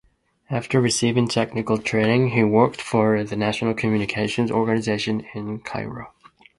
After receiving technical training he worked for the National Communications Organization in Cairo.